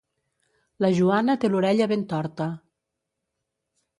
La Joana té l'orella ben torta.